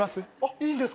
いいんですか？